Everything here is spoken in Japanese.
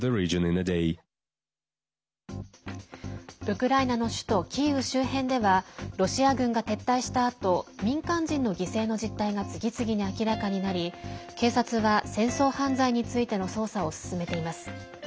ウクライナの首都キーウ周辺ではロシア軍が撤退したあと民間人の犠牲の実態が次々に明らかになり警察は、戦争犯罪についての捜査を進めています。